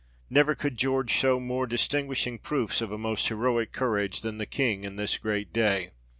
Never could General show more dis tinguishing proofs of a most heroic courage, than the King in this great day.